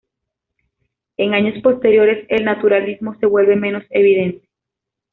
En años posteriores, el naturalismo se vuelve menos evidente.